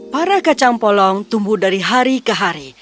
para kacang polong tumbuh dari hari ke hari